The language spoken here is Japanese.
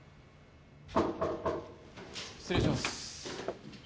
失礼します。